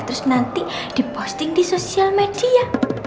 terus nanti diposting di sosial media